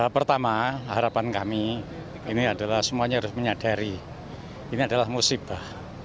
pertama harapan kami ini adalah semuanya harus menyadari ini adalah musibah